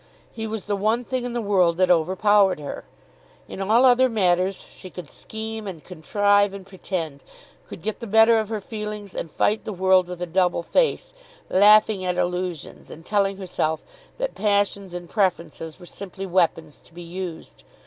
He was the one thing in the world that overpowered her. In all other matters she could scheme, and contrive, and pretend; could get the better of her feelings and fight the world with a double face, laughing at illusions and telling herself that passions and preferences were simply weapons to be used.